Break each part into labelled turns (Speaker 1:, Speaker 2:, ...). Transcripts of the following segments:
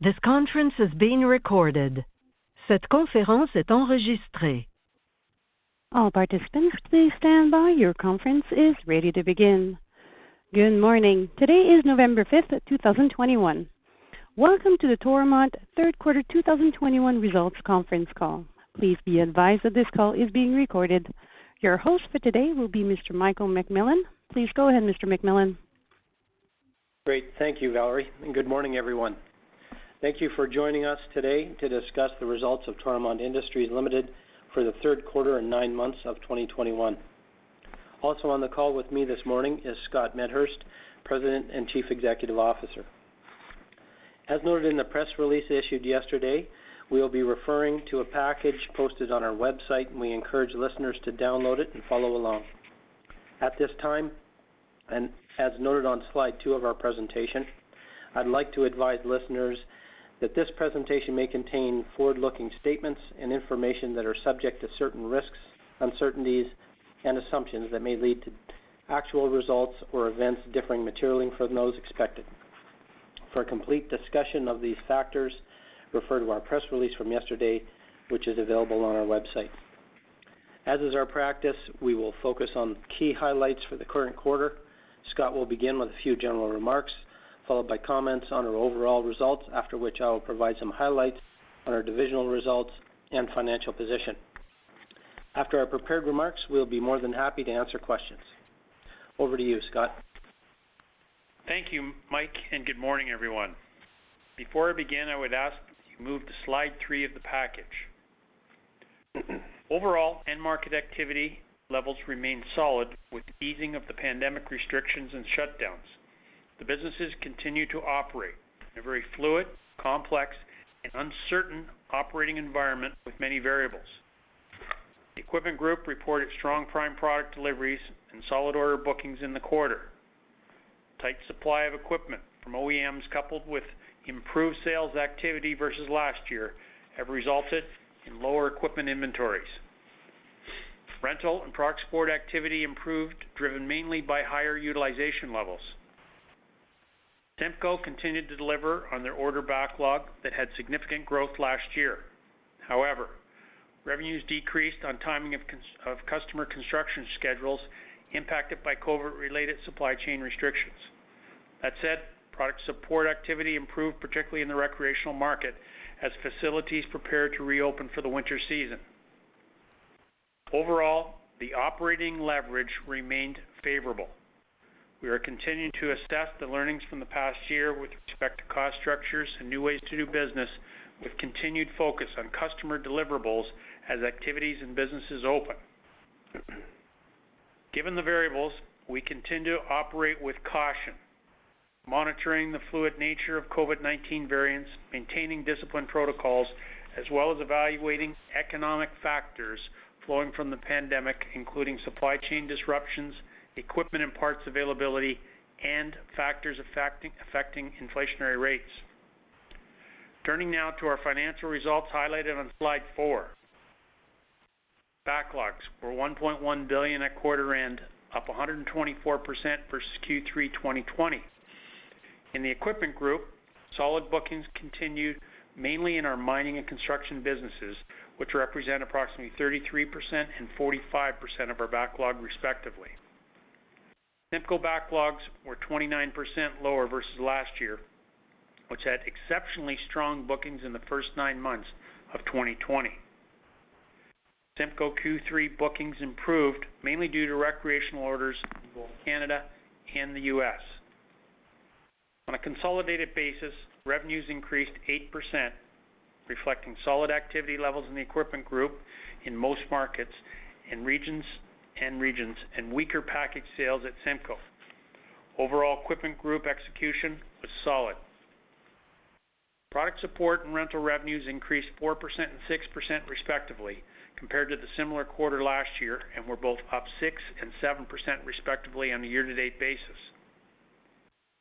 Speaker 1: Good morning. Today is November 5th, 2021. Welcome to the Toromont Third Quarter 2021 Results Conference Call. Please be advised that this call is being recorded. Your host for today will be Mr. Michael McMillan. Please go ahead, Mr. McMillan.
Speaker 2: Great. Thank you, Valerie, and good morning, everyone. Thank you for joining us today to discuss the results of Toromont Industries Ltd. for the third quarter and nine months of 2021. Also on the call with me this morning is Scott Medhurst, President and Chief Executive Officer. As noted in the press release issued yesterday, we will be referring to a package posted on our website, and we encourage listeners to download it and follow along. At this time, and as noted on slide two of our presentation, I'd like to advise listeners that this presentation may contain forward-looking statements and information that are subject to certain risks, uncertainties and assumptions that may lead to actual results or events differing materially from those expected. For a complete discussion of these factors, refer to our press release from yesterday, which is available on our website. As is our practice, we will focus on key highlights for the current quarter. Scott will begin with a few general remarks, followed by comments on our overall results, after which I will provide some highlights on our divisional results and financial position. After our prepared remarks, we'll be more than happy to answer questions. Over to you, Scott.
Speaker 3: Thank you, Mike, and good morning, everyone. Before I begin, I would ask that you move to slide three of the package. Overall, end market activity levels remain solid with easing of the pandemic restrictions and shutdowns. The businesses continue to operate in a very fluid, complex and uncertain operating environment with many variables. Equipment Group reported strong prime product deliveries and solid order bookings in the quarter. Tight supply of equipment from OEMs, coupled with improved sales activity versus last year, have resulted in lower equipment inventories. Rental and product support activity improved, driven mainly by higher utilization levels. CIMCO continued to deliver on their order backlog that had significant growth last year. However, revenues decreased on timing of customer construction schedules impacted by COVID related supply chain restrictions. That said, product support activity improved, particularly in the recreational market as facilities prepared to reopen for the winter season. Overall, the operating leverage remained favorable. We are continuing to assess the learnings from the past year with respect to cost structures and new ways to do business with continued focus on customer deliverables as activities and businesses open. Given the variables, we continue to operate with caution, monitoring the fluid nature of COVID-19 variants, maintaining disciplined protocols, as well as evaluating economic factors flowing from the pandemic, including supply chain disruptions, equipment and parts availability, and factors affecting inflationary rates. Turning now to our financial results highlighted on slide four. Backlogs were 1.1 billion at quarter end, up 124% versus Q3 2020. In the Equipment Group, solid bookings continued mainly in our mining and construction businesses, which represent approximately 33% and 45% of our backlog, respectively. CIMCO backlogs were 29% lower versus last year, which had exceptionally strong bookings in the first nine months of 2020. CIMCO Q3 bookings improved mainly due to recreational orders in both Canada and the U.S. On a consolidated basis, revenues increased 8%, reflecting solid activity levels in the Equipment Group in most markets and regions, and weaker package sales at CIMCO. Overall Equipment Group execution was solid. Product support and rental revenues increased 4% and 6%, respectively, compared to the similar quarter last year, and were both up 6% and 7%, respectively, on a year-to-date basis.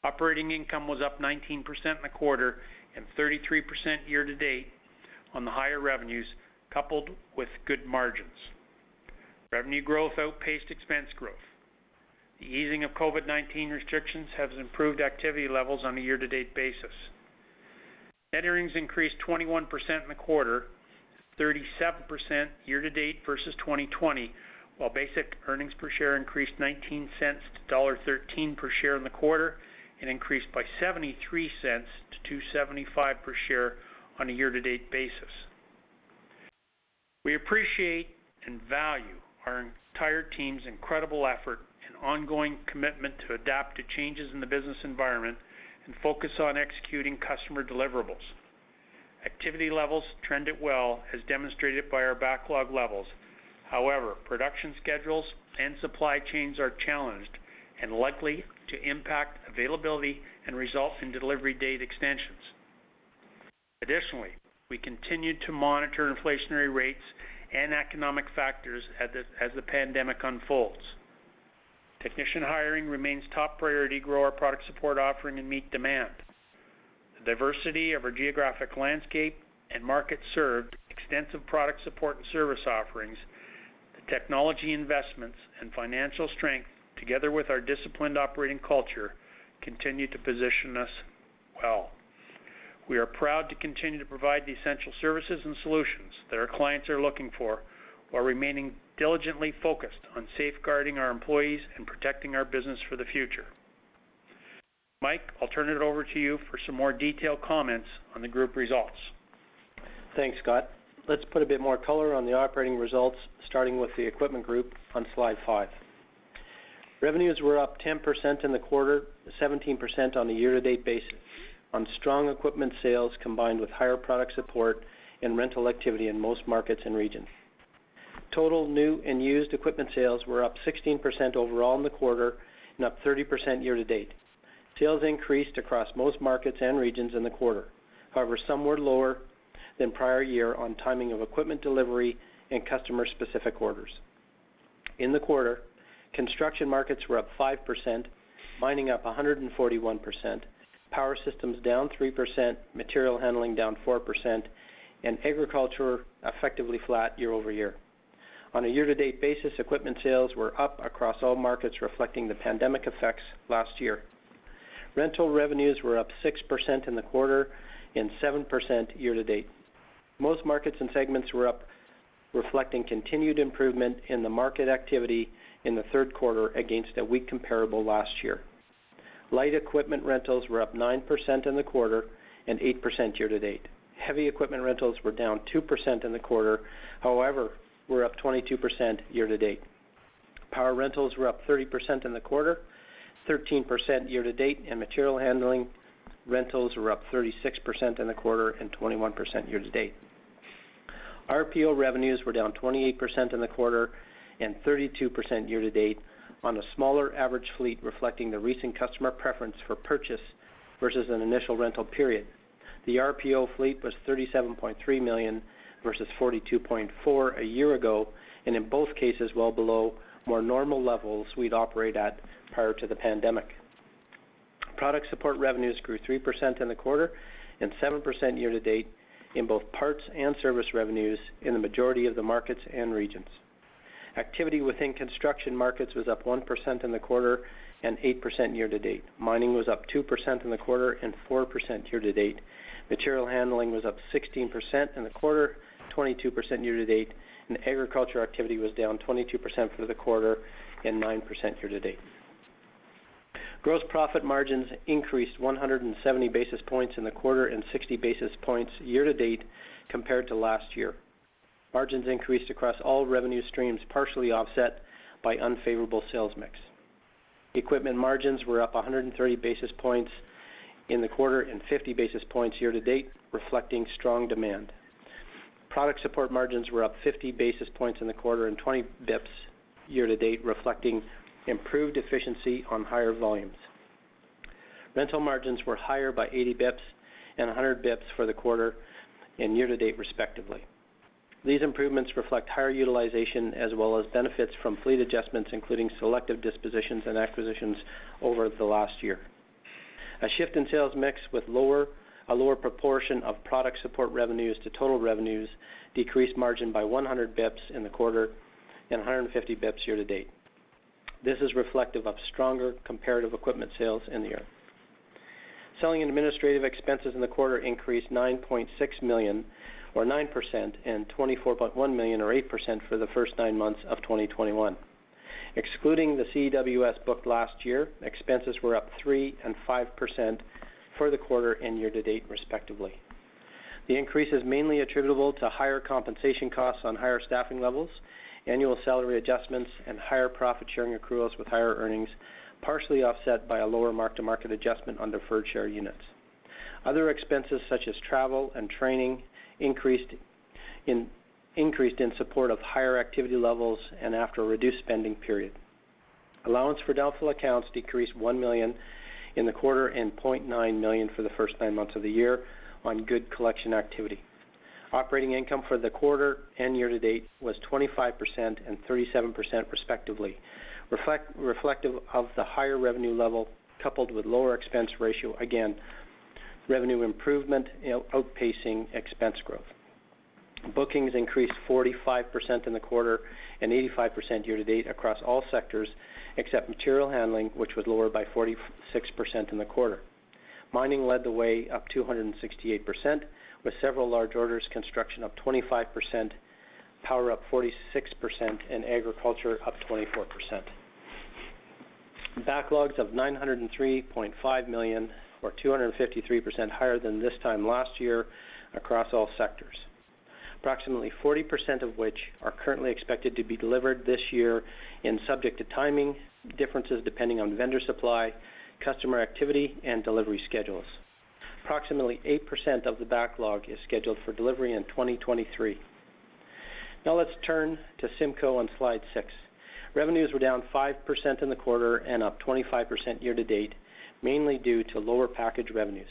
Speaker 3: Operating income was up 19% in the quarter and 33% year-to-date on the higher revenues, coupled with good margins. Revenue growth outpaced expense growth. The easing of COVID-19 restrictions has improved activity levels on a year-to-date basis. Net earnings increased 21% in the quarter, 37% year-to-date versus 2020, while basic earnings per share increased 0.19-1.13 dollar per share in the quarter and increased by 0.73-2.75 per share on a year-to-date basis. We appreciate and value our entire team's incredible effort and ongoing commitment to adapt to changes in the business environment and focus on executing customer deliverables. Activity levels trended well, as demonstrated by our backlog levels. However, production schedules and supply chains are challenged and likely to impact availability and result in delivery date extensions. Additionally, we continue to monitor inflationary rates and economic factors as the pandemic unfolds. Technician hiring remains top priority to grow our product support offering and meet demand. The diversity of our geographic landscape and market served, extensive product support and service offerings, the technology investments and financial strength, together with our disciplined operating culture, continue to position us well. We are proud to continue to provide the essential services and solutions that our clients are looking for, while remaining diligently focused on safeguarding our employees and protecting our business for the future. Mike, I'll turn it over to you for some more detailed comments on the group results.
Speaker 2: Thanks, Scott. Let's put a bit more color on the operating results, starting with the Equipment Group on slide five. Revenues were up 10% in the quarter, 17% on a year-to-date basis on strong equipment sales, combined with higher product support and rental activity in most markets and regions. Total new and used equipment sales were up 16% overall in the quarter and up 30% year-to-date. Sales increased across most markets and regions in the quarter. However, some were lower than prior year on timing of equipment delivery and customer-specific orders. In the quarter, construction markets were up 5%, mining up 141%, power systems down 3%, material handling down 4%, and agriculture effectively flat year-over-year. On a year-to-date basis, equipment sales were up across all markets, reflecting the pandemic effects last year. Rental revenues were up 6% in the quarter and 7% year-to-date. Most markets and segments were up, reflecting continued improvement in the market activity in the third quarter against a weak comparable last year. Light equipment rentals were up 9% in the quarter and 8% year-to-date. Heavy equipment rentals were down 2% in the quarter, however, were up 22% year-to-date. Power rentals were up 30% in the quarter, 13% year-to-date, and material handling rentals were up 36% in the quarter and 21% year-to-date. RPO revenues were down 28% in the quarter and 32% year-to-date on a smaller average fleet, reflecting the recent customer preference for purchase versus an initial rental period. The RPO fleet was 37.3 million versus 42.4 million a year ago, and in both cases, well below more normal levels we'd operate at prior to the pandemic. Product support revenues grew 3% in the quarter and 7% year-to-date in both parts and service revenues in the majority of the markets and regions. Activity within construction markets was up 1% in the quarter and 8% year-to-date. Mining was up 2% in the quarter and 4% year-to-date. Material handling was up 16% in the quarter, 22% year-to-date, and agriculture activity was down 22% for the quarter and 9% year-to-date. Gross profit margins increased 170 basis points in the quarter and 60 basis points year-to-date compared to last year. Margins increased across all revenue streams, partially offset by unfavorable sales mix. Equipment margins were up 130 basis points in the quarter and 50 basis points year-to-date, reflecting strong demand. Product support margins were up 50 basis points in the quarter and 20 bps year-to-date, reflecting improved efficiency on higher volumes. Rental margins were higher by 80 bps and 100 bps for the quarter and year-to-date, respectively. These improvements reflect higher utilization as well as benefits from fleet adjustments, including selective dispositions and acquisitions over the last year. A shift in sales mix with a lower proportion of product support revenues to total revenues decreased margin by 100 bps in the quarter and 150 bps year-to-date. This is reflective of stronger comparative equipment sales in the year. SG&A expenses in the quarter increased 9.6 million or 9%, and 24.1 million or 8% for the first nine months of 2021. Excluding the CEWS booked last year, expenses were up 3% and 5% for the quarter and year-to-date, respectively. The increase is mainly attributable to higher compensation costs on higher staffing levels, annual salary adjustments, and higher profit sharing accruals with higher earnings, partially offset by a lower mark-to-market adjustment on deferred share units. Other expenses, such as travel and training, increased in support of higher activity levels and after a reduced spending period. Allowance for doubtful accounts decreased 1 million in the quarter, and 0.9 million for the first nine months of the year on good collection activity. Operating income for the quarter and year-to-date was 25% and 37%, respectively. Reflective of the higher revenue level coupled with lower expense ratio. Again, revenue improvement outpacing expense growth. Bookings increased 45% in the quarter and 85% year-to-date across all sectors except material handling, which was lower by 46% in the quarter. Mining led the way up 268% with several large orders. Construction up 25%, power up 46%, and agriculture up 24%. Backlogs of 903.5 million, or 253% higher than this time last year across all sectors. Approximately 40% of which are currently expected to be delivered this year and subject to timing differences depending on vendor supply, customer activity, and delivery schedules. Approximately 8% of the backlog is scheduled for delivery in 2023. Now let's turn to CIMCO on slide six. Revenues were down 5% in the quarter and up 25% year-to-date, mainly due to lower package revenues.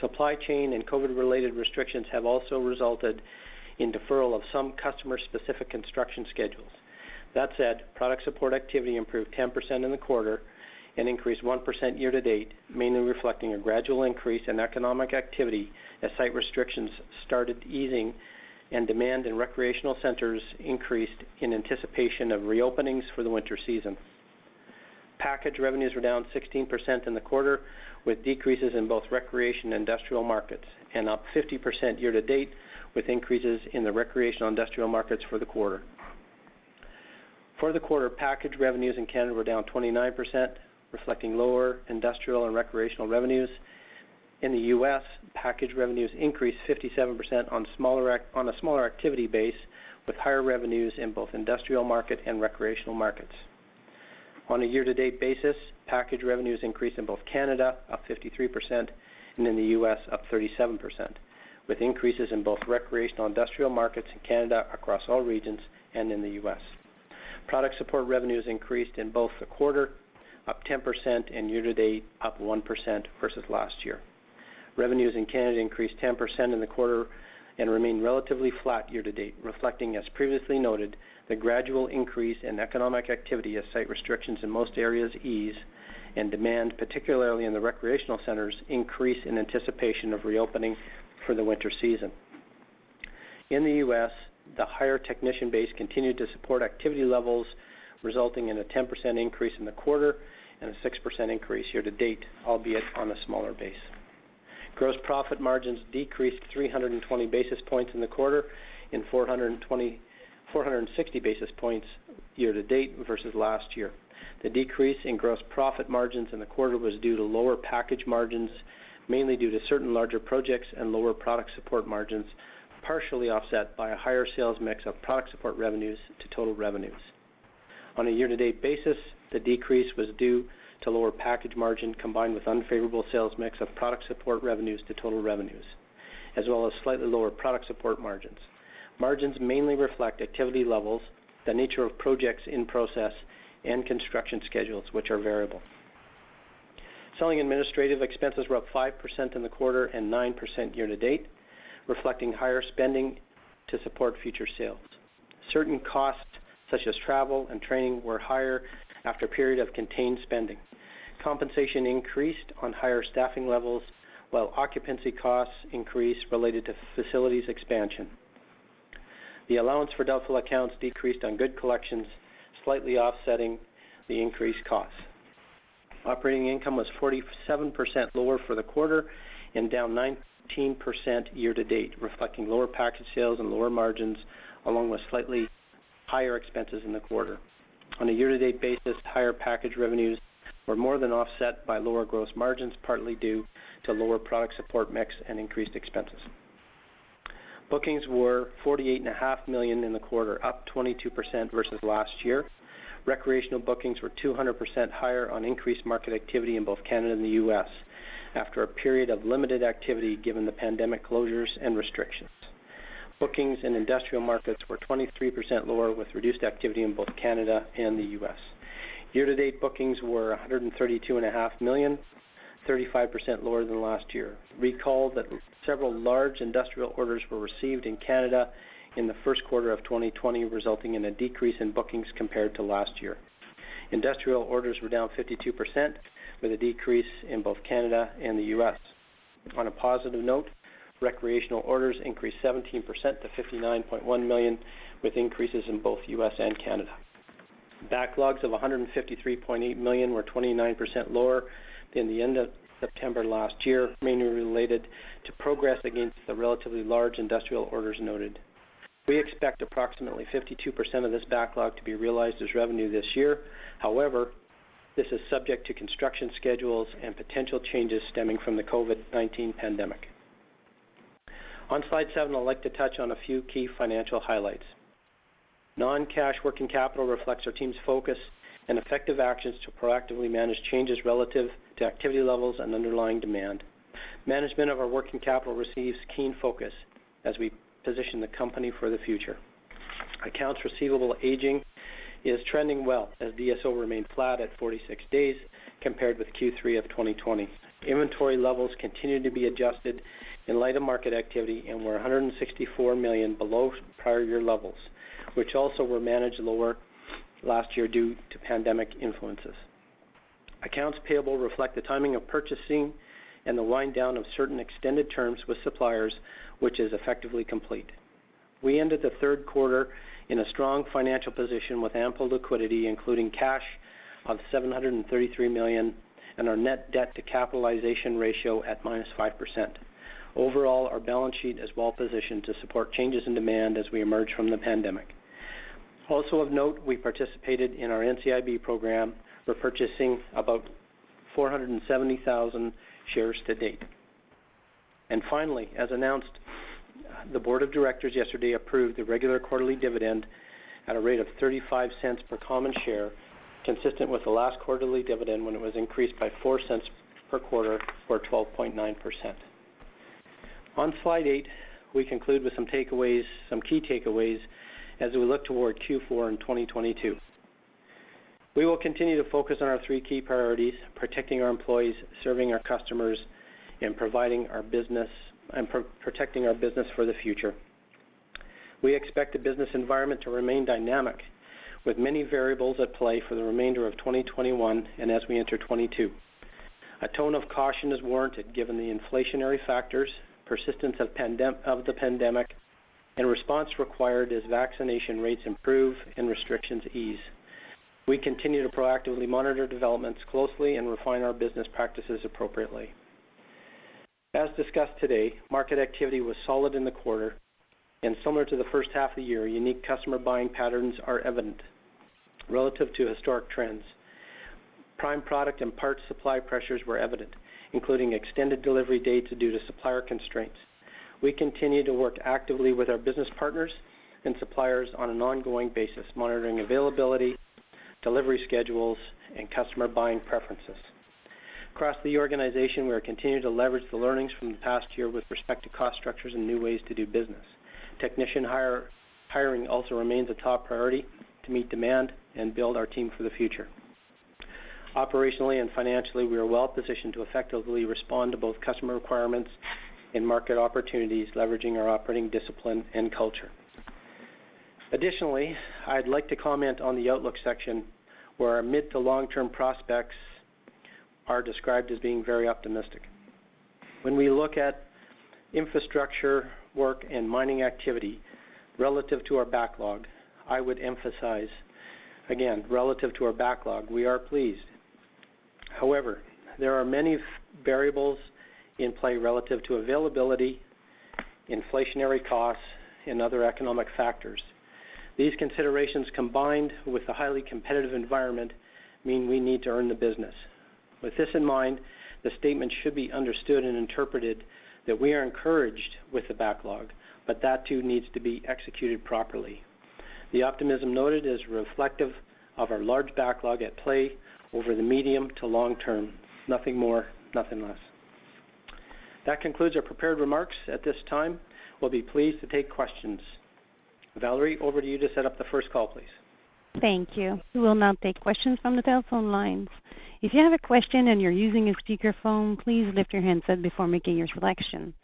Speaker 2: Supply chain and COVID-19-related restrictions have also resulted in deferral of some customer-specific construction schedules. That said, product support activity improved 10% in the quarter and increased 1% year-to-date, mainly reflecting a gradual increase in economic activity as site restrictions started easing and demand in recreational centers increased in anticipation of reopenings for the winter season. Package revenues were down 16% in the quarter, with decreases in both recreation and industrial markets, and up 50% year-to-date, with increases in the recreational industrial markets for the quarter. For the quarter, package revenues in Canada were down 29%, reflecting lower industrial and recreational revenues. In the U.S., package revenues increased 57% on a smaller activity base, with higher revenues in both industrial market and recreational markets. On a year-to-date basis, package revenues increased in both Canada, up 53%, and in the U.S., up 37%, with increases in both recreational industrial markets in Canada across all regions and in the U.S. Product support revenues increased in both the quarter, up 10%, and year-to-date, up 1% versus last year. Revenues in Canada increased 10% in the quarter and remain relatively flat year-to-date, reflecting, as previously noted, the gradual increase in economic activity as site restrictions in most areas ease and demand, particularly in the recreational centers, increase in anticipation of reopening for the winter season. In the U.S., the higher technician base continued to support activity levels, resulting in a 10% increase in the quarter and a 6% increase year-to-date, albeit on a smaller base. Gross profit margins decreased 320 basis points in the quarter and 460 basis points year-to-date versus last year. The decrease in gross profit margins in the quarter was due to lower package margins, mainly due to certain larger projects and lower product support margins, partially offset by a higher sales mix of product support revenues to total revenues. On a year-to-date basis, the decrease was due to lower package margin combined with unfavorable sales mix of product support revenues to total revenues, as well as slightly lower product support margins. Margins mainly reflect activity levels, the nature of projects in process, and construction schedules, which are variable. Selling administrative expenses were up 5% in the quarter and 9% year-to-date, reflecting higher spending to support future sales. Certain costs, such as travel and training, were higher after a period of contained spending. Compensation increased on higher staffing levels, while occupancy costs increased related to facilities expansion. The allowance for doubtful accounts decreased on good collections, slightly offsetting the increased costs. Operating income was 47% lower for the quarter and down 19% year-to-date, reflecting lower package sales and lower margins, along with slightly higher expenses in the quarter. On a year-to-date basis, higher package revenues were more than offset by lower gross margins, partly due to lower product support mix and increased expenses. Bookings were 48.5 million in the quarter, up 22% versus last year. Recreational bookings were 200% higher on increased market activity in both Canada and the U.S. after a period of limited activity given the pandemic closures and restrictions. Bookings in industrial markets were 23% lower, with reduced activity in both Canada and the U.S. Year-to-date bookings were 132.5 million, 35% lower than last year. Recall that several large industrial orders were received in Canada in the first quarter of 2020, resulting in a decrease in bookings compared to last year. Industrial orders were down 52% with a decrease in both Canada and the U.S. On a positive note, recreational orders increased 17% to 59.1 million, with increases in both U.S. and Canada. Backlogs of 153.8 million were 29% lower than the end of September last year, mainly related to progress against the relatively large industrial orders noted. We expect approximately 52% of this backlog to be realized as revenue this year. However, this is subject to construction schedules and potential changes stemming from the COVID-19 pandemic. On slide seven, I'd like to touch on a few key financial highlights. Non-cash working capital reflects our team's focus and effective actions to proactively manage changes relative to activity levels and underlying demand. Management of our working capital receives keen focus as we position the company for the future. Accounts receivable aging is trending well, as DSO remained flat at 46 days compared with Q3 of 2020. Inventory levels continue to be adjusted in light of market activity and were 164 million below prior year levels, which also were managed lower last year due to pandemic influences. Accounts payable reflect the timing of purchasing and the wind down of certain extended terms with suppliers, which is effectively complete. We ended the third quarter in a strong financial position with ample liquidity, including cash of 733 million, and our net debt to capitalization ratio at -5%. Overall, our balance sheet is well positioned to support changes in demand as we emerge from the pandemic. Also of note, we participated in our NCIB program, repurchasing about 470,000 shares to date. Finally, as announced, the board of directors yesterday approved the regular quarterly dividend at a rate of 0.35 per common share, consistent with the last quarterly dividend when it was increased by 0.04 per quarter, or 12.9%. On slide eight, we conclude with some takeaways, some key takeaways as we look toward Q4 in 2022. We will continue to focus on our three key priorities, protecting our employees, serving our customers, and protecting our business for the future. We expect the business environment to remain dynamic with many variables at play for the remainder of 2021 and as we enter 2022. A tone of caution is warranted given the inflationary factors, persistence of the pandemic and response required as vaccination rates improve and restrictions ease. We continue to proactively monitor developments closely and refine our business practices appropriately. As discussed today, market activity was solid in the quarter, and similar to the first half of the year, unique customer buying patterns are evident relative to historic trends. Prime product and parts supply pressures were evident, including extended delivery dates due to supplier constraints. We continue to work actively with our business partners and suppliers on an ongoing basis monitoring availability, delivery schedules, and customer buying preferences. Across the organization, we are continuing to leverage the learnings from the past year with respect to cost structures and new ways to do business. Technician hiring also remains a top priority to meet demand and build our team for the future. Operationally and financially, we are well positioned to effectively respond to both customer requirements and market opportunities leveraging our operating discipline and culture. Additionally, I'd like to comment on the outlook section where our mid- to long-term prospects are described as being very optimistic. When we look at infrastructure work and mining activity relative to our backlog, I would emphasize, again, relative to our backlog, we are pleased. However, there are many variables in play relative to availability, inflationary costs, and other economic factors. These considerations combined with a highly competitive environment mean we need to earn the business. With this in mind, the statement should be understood and interpreted that we are encouraged with the backlog, but that too needs to be executed properly. The optimism noted is reflective of our large backlog at play over the medium to long term. Nothing more, nothing less. That concludes our prepared remarks. At this time, we'll be pleased to take questions. Valerie, over to you to set up the first call, please.
Speaker 1: Thank you. We will now take questions from the telephone lines. If you have a question and you're using a speakerphone, please lift your handset before making your selection.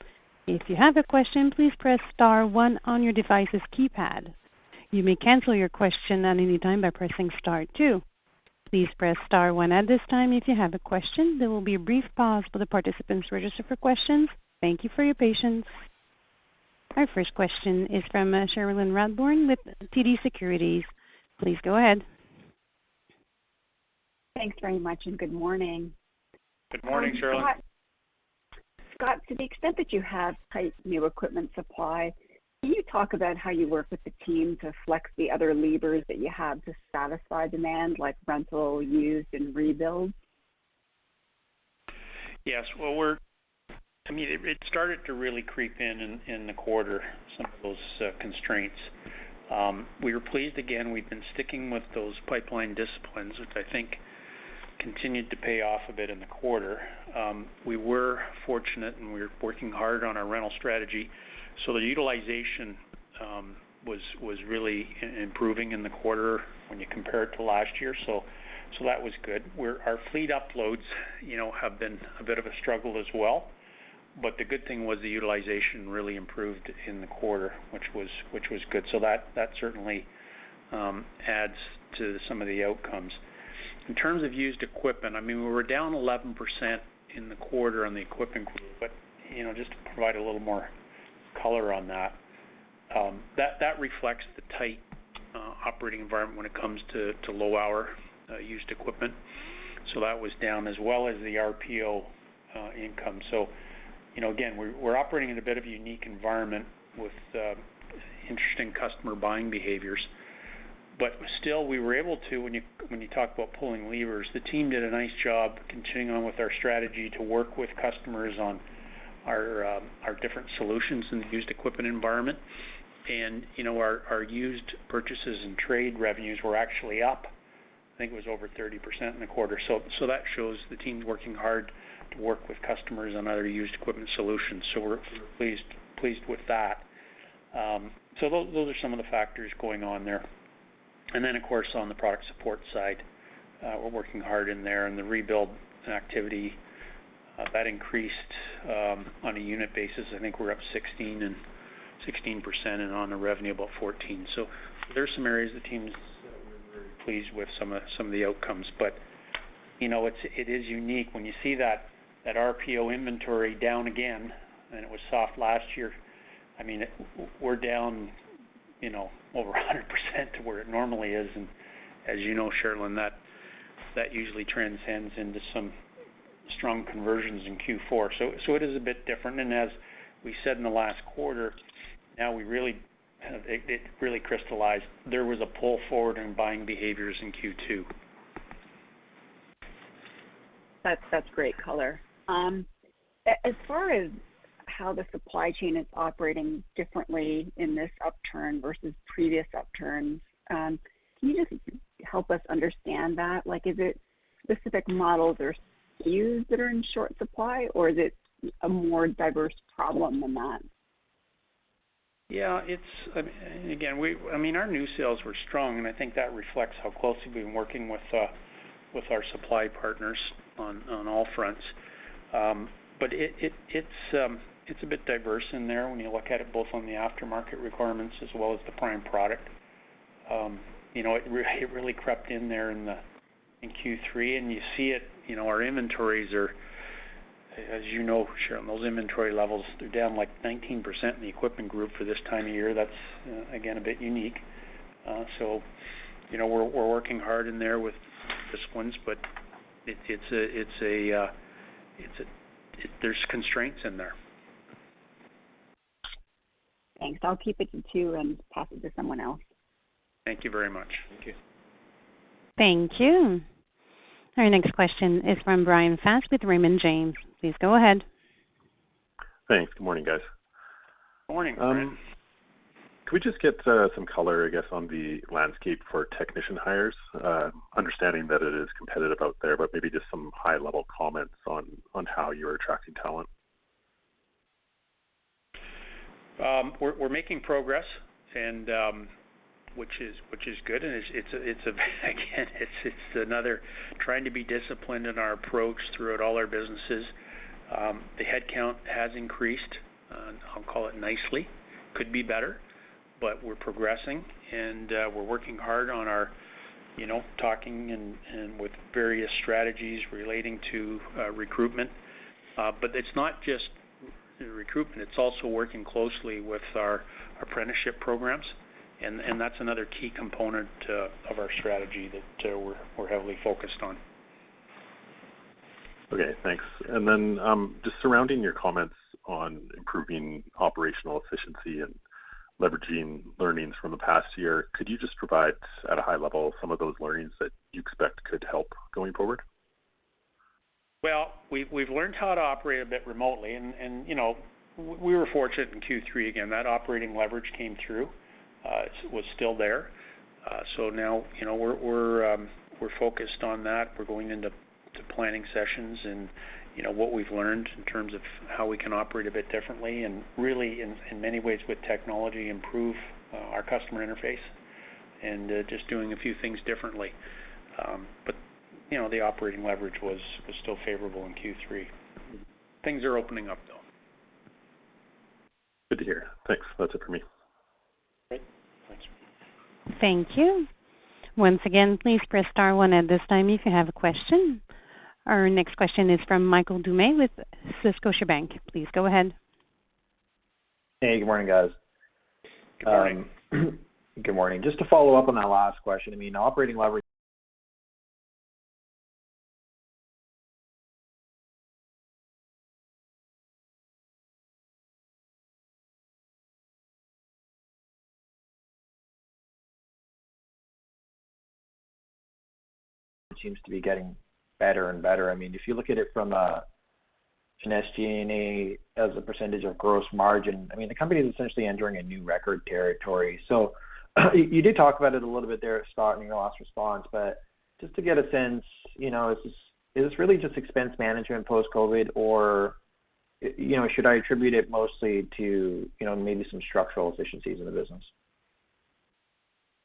Speaker 1: If you have a question, please press star one on your device's keypad. You may cancel your question at any time by pressing star two. Please press star one at this time if you have a question. There will be a brief pause for the participants registered for questions. Thank you for your patience. Our first question is from Cherilyn Radbourne with TD Securities. Please go ahead.
Speaker 4: Thanks very much and good morning.
Speaker 3: Good morning, Cherilyn.
Speaker 4: Scott, to the extent that you have tight new equipment supply, can you talk about how you work with the team to flex the other levers that you have to satisfy demand like rental, used, and rebuild?
Speaker 3: Yes. Well, I mean, it started to really creep in the quarter, some of those constraints. We were pleased again, we've been sticking with those pipeline disciplines which I think continued to pay off a bit in the quarter. We were fortunate and we were working hard on our rental strategy. The utilization was really improving in the quarter when you compare it to last year. That was good. Our fleet utilization, you know, has been a bit of a struggle as well, but the good thing was the utilization really improved in the quarter which was good. That certainly adds to some of the outcomes. In terms of used equipment, I mean, we were down 11% in the quarter on the Equipment Group but, you know, just to provide a little more color on that reflects the tight operating environment when it comes to low-hour used equipment. That was down as well as the RPO income. You know, again, we're operating in a bit of a unique environment with interesting customer buying behaviors. Still, we were able to, when you talk about pulling levers, the team did a nice job continuing on with our strategy to work with customers on our different solutions in the used equipment environment. You know, our used purchases and trade revenues were actually up, I think it was over 30% in the quarter. That shows the team's working hard to work with customers on other used equipment solutions. We're pleased with that. Those are some of the factors going on there. Then of course on the product support side, we're working hard in there and the rebuild activity that increased on a unit basis I think we're up 16% and on the revenue about 14%. There's some areas the team's we're very pleased with some of the outcomes. You know, it is unique when you see that RPO inventory down again and it was soft last year. I mean, we're down you know, over 100% to where it normally is. As you know, Cherilyn, that usually translates into some strong conversions in Q4. It is a bit different and as we said in the last quarter, now we really kind of it really crystallized there was a pull forward in buying behaviors in Q2.
Speaker 4: That's great color. As far as how the supply chain is operating differently in this upturn versus previous upturns, can you just help us understand that? Like is it specific models or SKUs that are in short supply or is it a more diverse problem than that?
Speaker 3: I mean, our new sales were strong, and I think that reflects how closely we've been working with our supply partners on all fronts. It's a bit diverse in there when you look at it both on the aftermarket requirements as well as the prime product. You know, it really crept in there in Q3, and you see it. You know, our inventories are, as you know, Cherilyn, those inventory levels, they're down like 19% in the Equipment Group for this time of year. That's again a bit unique. You know, we're working hard in there with disciplines, but it's a. There's constraints in there.
Speaker 4: Thanks. I'll keep it to you and pass it to someone else.
Speaker 3: Thank you very much.
Speaker 2: Thank you.
Speaker 1: Thank you. Our next question is from Brian Schwartz with Raymond James. Please go ahead.
Speaker 5: Thanks. Good morning, guys.
Speaker 3: Morning, Brian.
Speaker 5: Could we just get some color, I guess, on the landscape for technician hires? Understanding that it is competitive out there, but maybe just some high-level comments on how you're attracting talent.
Speaker 3: We're making progress, which is good. It's again another trying to be disciplined in our approach throughout all our businesses. The headcount has increased, I'll call it nicely. Could be better, but we're progressing and we're working hard on our, you know, talking and with various strategies relating to recruitment. It's not just recruitment, it's also working closely with our apprenticeship programs. That's another key component of our strategy that we're heavily focused on.
Speaker 5: Okay, thanks. Just regarding your comments on improving operational efficiency and leveraging learnings from the past year, could you just provide at a high level some of those learnings that you expect could help going forward?
Speaker 3: Well, we've learned how to operate a bit remotely. You know, we were fortunate in Q3, again, that operating leverage came through. It was still there. You know, we're focused on that. We're going into planning sessions and, you know, what we've learned in terms of how we can operate a bit differently and really in many ways with technology, improve our customer interface and just doing a few things differently. You know, the operating leverage was still favorable in Q3. Things are opening up, though.
Speaker 5: Good to hear. Thanks. That's it for me.
Speaker 3: Great. Thanks.
Speaker 1: Thank you. Once again, please press star one at this time if you have a question. Our next question is from Michael Doumet with Scotiabank. Please go ahead.
Speaker 6: Hey, good morning, guys.
Speaker 3: Good morning.
Speaker 6: Good morning. Just to follow up on that last question, I mean, operating leverage seems to be getting better and better. I mean, if you look at it from an SG&A as a percentage of gross margin, I mean, the company is essentially entering a new record territory. You did talk about it a little bit there at the start in your last response, but just to get a sense, you know, is this, is this really just expense management post-COVID? Or, you know, should I attribute it mostly to, you know, maybe some structural efficiencies in the business?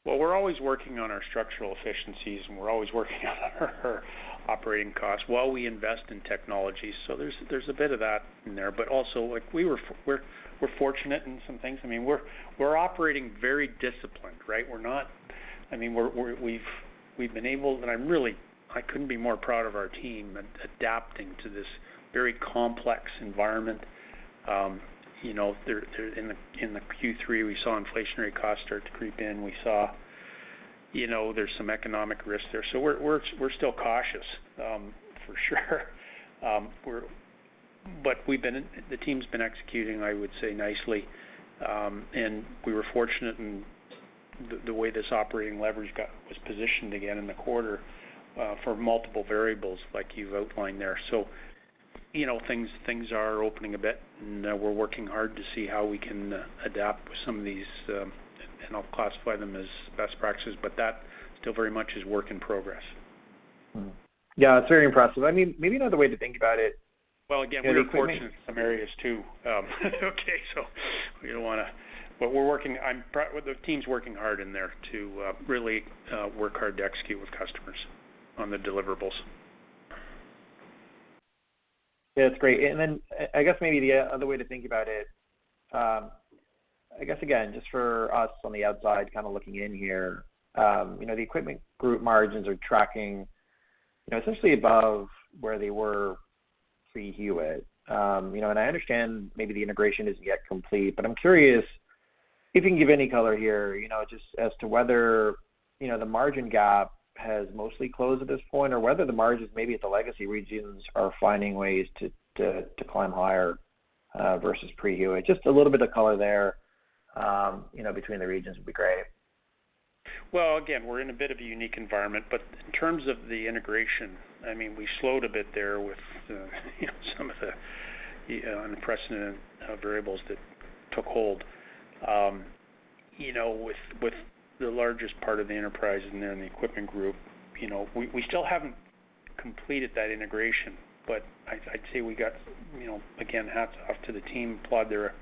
Speaker 3: Well, we're always working on our structural efficiencies, and we're always working on our operating costs while we invest in technology. There's a bit of that in there. Also, like we're fortunate in some things. I mean, we're operating very disciplined, right? We're not. I mean, we've been able. I'm really, I couldn't be more proud of our team adapting to this very complex environment. You know, there in the Q3, we saw inflationary costs start to creep in. We saw, you know, there's some economic risk there. We're still cautious, for sure. The team's been executing, I would say nicely. We were fortunate in the way this operating leverage was positioned again in the quarter for multiple variables like you've outlined there. You know, things are opening a bit, and we're working hard to see how we can adapt some of these, and I'll classify them as best practices, but that still very much is work in progress.
Speaker 6: Yeah, it's very impressive. I mean, maybe another way to think about it.
Speaker 3: Well, again, we're fortunate in some areas too. We're working. I'm proud. Well, the team's working hard in there to really work hard to execute with customers on the deliverables.
Speaker 6: Yeah, that's great. I guess maybe the other way to think about it. I guess, again, just for us on the outside kind of looking in here, you know, the Equipment Group margins are tracking, you know, essentially above where they were pre-Hewitt. You know, and I understand maybe the integration isn't yet complete, but I'm curious if you can give any color here, you know, just as to whether, you know, the margin gap has mostly closed at this point or whether the margins maybe at the legacy regions are finding ways to climb higher versus pre-Hewitt. Just a little bit of color there, you know, between the regions would be great.
Speaker 3: Well, again, we're in a bit of a unique environment, but in terms of the integration, I mean, we slowed a bit there with you know, some of the unprecedented variables that took hold. You know, with the largest part of the enterprise in there in the Equipment Group, you know, we still haven't completed that integration. But I'd say we got, you know, again, hats off to the team, applaud their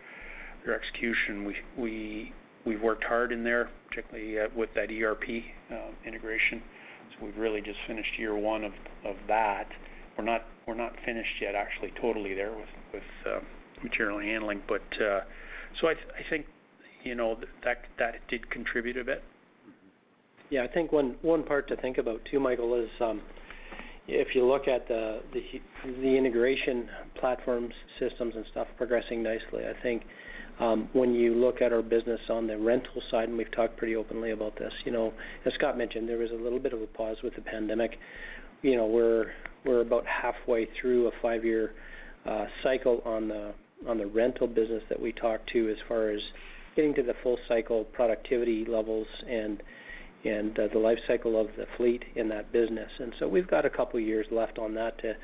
Speaker 3: execution. We've worked hard in there, particularly with that ERP integration. So we've really just finished year one of that. We're not finished yet, actually totally there with material handling. I think, you know, that did contribute a bit.
Speaker 6: Mm-hmm.
Speaker 2: Yeah, I think one part to think about too, Michael, is if you look at the integration platforms, systems and stuff progressing nicely. I think when you look at our business on the rental side, and we've talked pretty openly about this, you know, as Scott mentioned, there was a little bit of a pause with the pandemic. You know, we're about halfway through a five-year cycle on the rental business that we talked to as far as getting to the full cycle productivity levels and the life cycle of the fleet in that business. We've got a couple years left on that to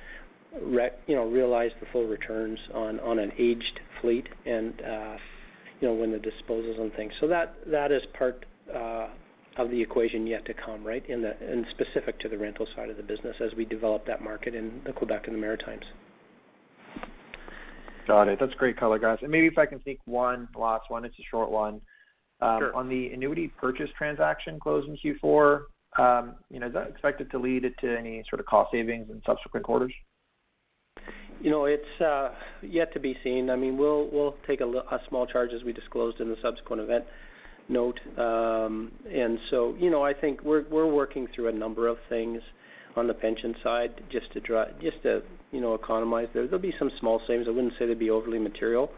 Speaker 2: realize the full returns on an aged fleet and, you know, when the disposals and things. That is part of the equation yet to come, right? Specific to the rental side of the business as we develop that market in Quebec and the Maritimes.
Speaker 6: Got it. That's great color, guys. Maybe if I can sneak one last one, it's a short one.
Speaker 2: Sure.
Speaker 6: On the annuity purchase transaction closed in Q4, you know, is that expected to lead it to any sort of cost savings in subsequent quarters?
Speaker 2: You know, it's yet to be seen. I mean, we'll take a small charge as we disclosed in the subsequent event note. You know, I think we're working through a number of things on the pension side just to, you know, economize there. There'll be some small savings. I wouldn't say they'd be overly material.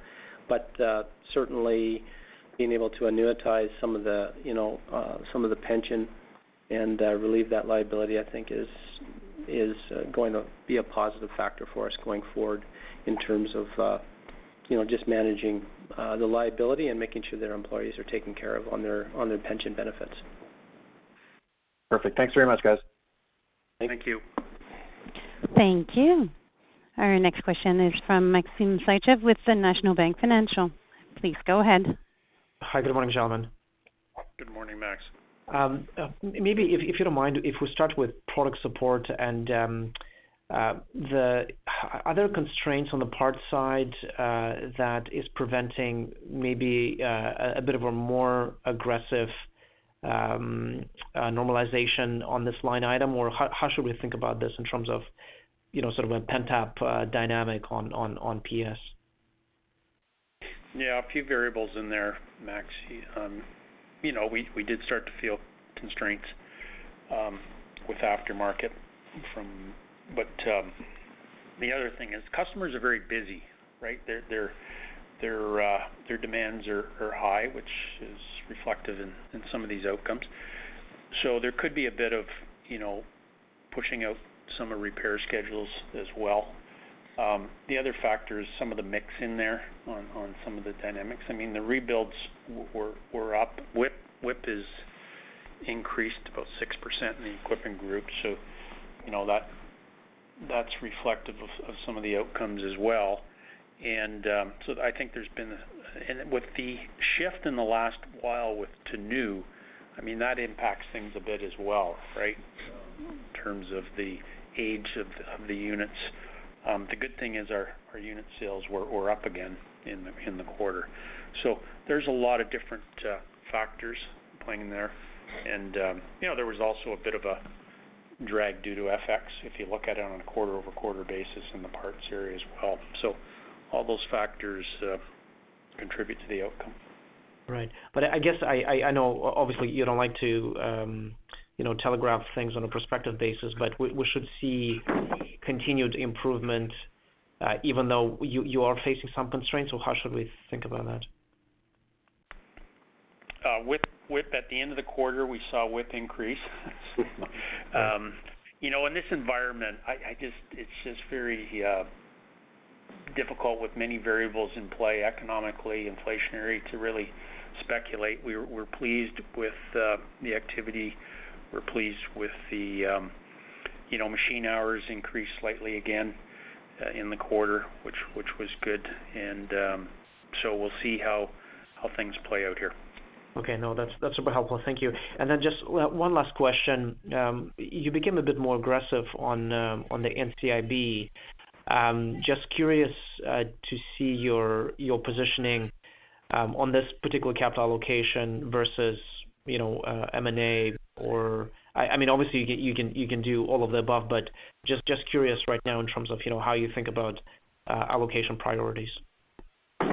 Speaker 2: Certainly being able to annuitize some of the pension and relieve that liability, I think is going to be a positive factor for us going forward in terms of just managing the liability and making sure that our employees are taken care of on their pension benefits.
Speaker 6: Perfect. Thanks very much, guys.
Speaker 3: Thank you.
Speaker 2: Thank you.
Speaker 1: Thank you. Our next question is from Maxim Sytchev with National Bank Financial. Please go ahead.
Speaker 7: Hi. Good morning, gentlemen.
Speaker 3: Good morning, Max.
Speaker 7: Maybe if you don't mind, if we start with product support and are there constraints on the parts side that is preventing maybe a bit of a more aggressive normalization on this line item? Or how should we think about this in terms of you know sort of a pent-up dynamic on PS?
Speaker 3: Yeah, a few variables in there, Max. You know, we did start to feel constraints with aftermarket. The other thing is customers are very busy, right? Their demands are high, which is reflective in some of these outcomes. There could be a bit of, you know, pushing out some of repair schedules as well. The other factor is some of the mix in there on some of the dynamics. I mean, the rebuilds were up. WIP is increased about 6% in the Equipment Group, so you know, that's reflective of some of the outcomes as well. I think there's been with the shift in the last while to new. I mean, that impacts things a bit as well, right?
Speaker 7: Mm-hmm.
Speaker 3: In terms of the age of the units. The good thing is our unit sales were up again in the quarter. There's a lot of different factors playing in there. You know, there was also a bit of a drag due to FX, if you look at it on a quarter-over-quarter basis in the parts area as well. All those factors contribute to the outcome.
Speaker 7: Right. I guess I know obviously you don't like to, you know, telegraph things on a prospective basis, but we should see continued improvement, even though you are facing some constraints, or how should we think about that?
Speaker 3: WIP at the end of the quarter, we saw WIP increase. You know, in this environment, I just it's just very difficult with many variables in play economically, inflationary to really speculate. We're pleased with the activity. We're pleased with the machine hours increased slightly again in the quarter, which was good. We'll see how things play out here.
Speaker 7: Okay. No, that's super helpful. Thank you. Just one last question. You became a bit more aggressive on the NCIB. Just curious to see your positioning on this particular capital allocation versus, you know, M&A or I mean, obviously you can do all of the above, but just curious right now in terms of, you know, how you think about allocation priorities.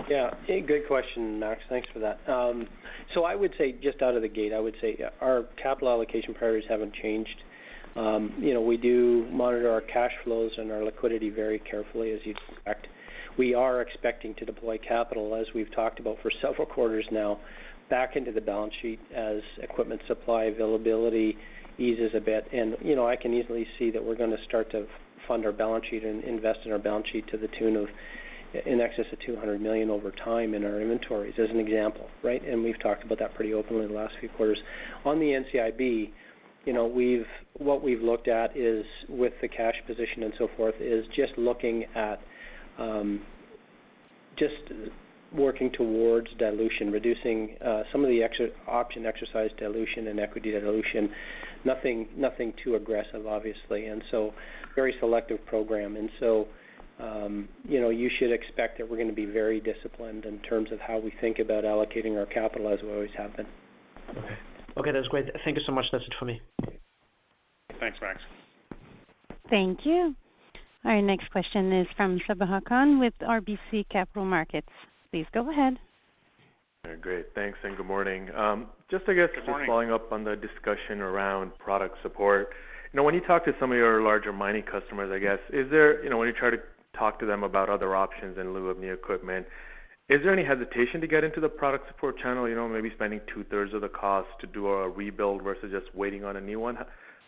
Speaker 2: Yeah. A good question, Max. Thanks for that. So I would say just out of the gate, I would say our capital allocation priorities haven't changed. You know, we do monitor our cash flows and our liquidity very carefully as you'd expect. We are expecting to deploy capital, as we've talked about for several quarters now, back into the balance sheet as equipment supply availability eases a bit. You know, I can easily see that we're gonna start to fund our balance sheet and invest in our balance sheet to the tune of in excess of 200 million over time in our inventories, as an example, right? We've talked about that pretty openly in the last few quarters. On the NCIB, you know, what we've looked at is with the cash position and so forth, is just looking at Just working towards dilution, reducing some of the option exercise dilution and equity dilution. Nothing too aggressive, obviously. Very selective program. You know, you should expect that we're gonna be very disciplined in terms of how we think about allocating our capital as we always have been.
Speaker 7: Okay, that's great. Thank you so much. That's it for me.
Speaker 3: Thanks, Max.
Speaker 1: Thank you. Our next question is from Sabahat Khan with RBC Capital Markets. Please go ahead.
Speaker 8: Great. Thanks, and good morning. Just, I guess.
Speaker 3: Good morning.
Speaker 8: Just following up on the discussion around product support. You know, when you talk to some of your larger mining customers, I guess, is there any hesitation to get into the product support channel? You know, when you try to talk to them about other options in lieu of new equipment, is there any hesitation to get into the product support channel? You know, maybe spending two-thirds of the cost to do a rebuild versus just waiting on a new one.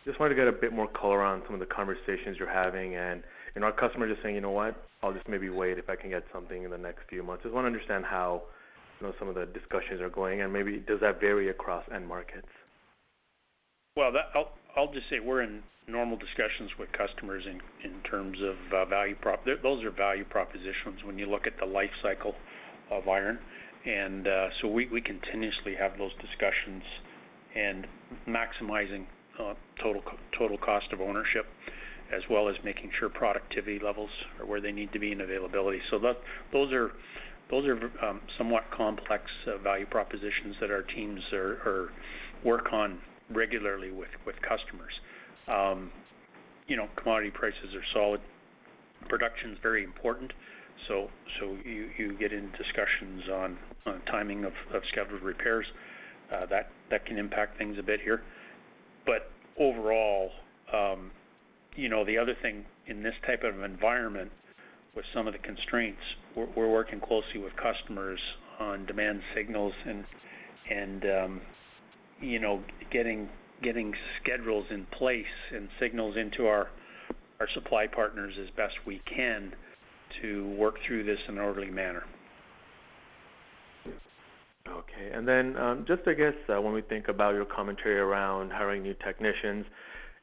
Speaker 8: Just wanted to get a bit more color on some of the conversations you're having and, you know, are customers just saying, "You know what? I'll just maybe wait if I can get something in the next few months." Just wanna understand how, you know, some of the discussions are going, and maybe does that vary across end markets?
Speaker 3: I'll just say we're in normal discussions with customers in terms of value prop. Those are value propositions when you look at the life cycle of iron. We continuously have those discussions and maximizing total cost of ownership, as well as making sure productivity levels are where they need to be and availability. Those are somewhat complex value propositions that our teams are working on regularly with customers. You know, commodity prices are solid. Production's very important, so you get into discussions on timing of scheduled repairs. That can impact things a bit here. Overall, you know, the other thing in this type of environment with some of the constraints, we're working closely with customers on demand signals and, you know, getting schedules in place and signals into our supply partners as best we can to work through this in an orderly manner.
Speaker 8: Okay. Then, just I guess, when we think about your commentary around hiring new technicians,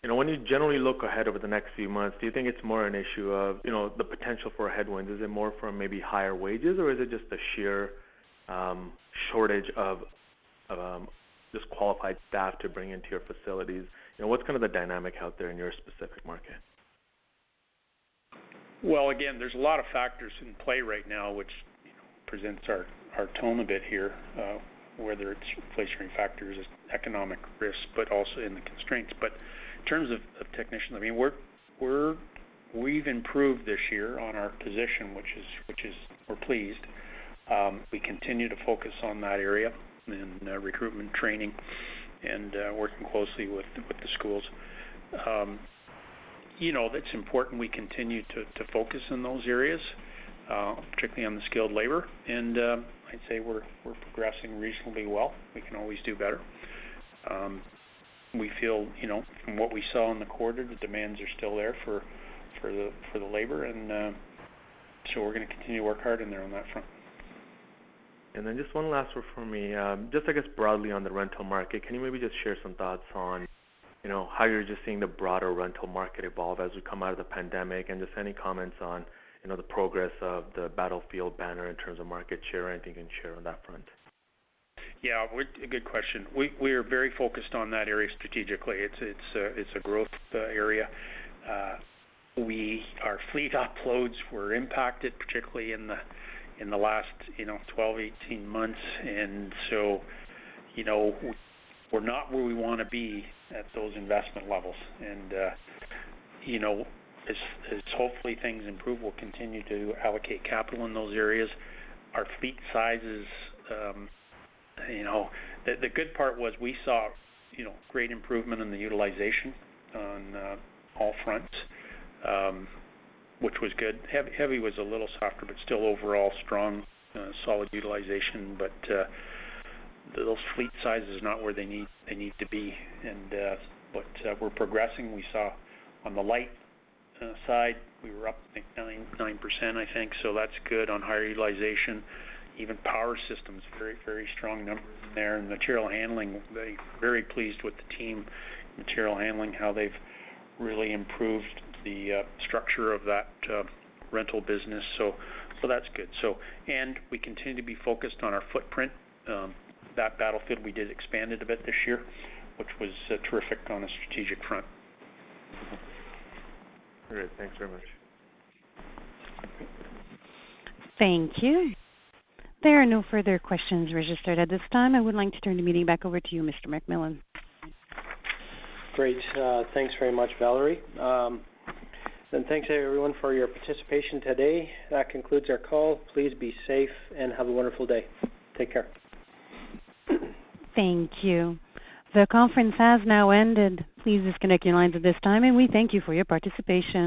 Speaker 8: you know, when you generally look ahead over the next few months, do you think it's more an issue of, you know, the potential for headwinds? Is it more from maybe higher wages, or is it just the sheer, shortage of just qualified staff to bring into your facilities? You know, what's kind of the dynamic out there in your specific market?
Speaker 3: Well, again, there's a lot of factors in play right now which, you know, presents our tone a bit here, whether it's inflationary factors, economic risk, but also in the constraints. In terms of technicians, I mean, we've improved this year on our position, which is we're pleased. We continue to focus on that area and recruitment training and working closely with the schools. You know, that's important we continue to focus in those areas, particularly on the skilled labor. I'd say we're progressing reasonably well. We can always do better. We feel, you know, from what we saw in the quarter, the demands are still there for the labor, so we're gonna continue to work hard in there on that front.
Speaker 8: Just one last one for me. Just I guess broadly on the rental market, can you maybe just share some thoughts on, you know, how you're just seeing the broader rental market evolve as we come out of the pandemic, and just any comments on, you know, the progress of the Battlefield banner in terms of market share, anything you can share on that front?
Speaker 3: Good question. We are very focused on that area strategically. It's a growth area. Our fleet uploads were impacted, particularly in the last, you know, 12, 18 months. You know, we're not where we wanna be at those investment levels. You know, as hopefully things improve, we'll continue to allocate capital in those areas. Our fleet sizes. The good part was we saw, you know, great improvement in the utilization on all fronts, which was good. Heavy was a little softer, but still overall strong, solid utilization. Those fleet sizes are not where they need to be. We're progressing. We saw on the light side, we were up, I think, 9%, I think. That's good on higher utilization. Even power systems, very, very strong numbers there. Material handling, very, very pleased with the team. Material handling, how they've really improved the structure of that rental business. That's good. We continue to be focused on our footprint. That Battlefield we did expand it a bit this year, which was terrific on a strategic front.
Speaker 8: Great. Thanks very much.
Speaker 1: Thank you. There are no further questions registered at this time. I would like to turn the meeting back over to you, Mr. McMillan.
Speaker 2: Great. Thanks very much, Valerie. Thanks to everyone for your participation today. That concludes our call. Please be safe and have a wonderful day. Take care.
Speaker 1: Thank you. The conference has now ended. Please disconnect your lines at this time, and we thank you for your participation.